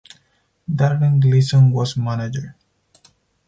Darren Gleeson was manager.